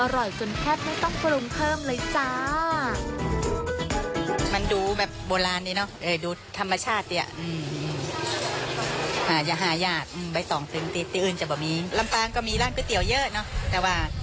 อร่อยจนแทบไม่ต้องปรุงเพิ่มเลยจ้า